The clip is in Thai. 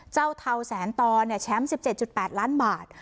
เจ้าเทาแสนตอเนี่ยแชมป์สิบเจ็ดจุดแปดล้านบาท